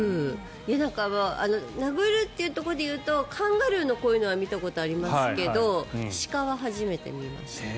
殴るということでいうとカンガルーのこういうのは見たことありますけど鹿は初めて見ました。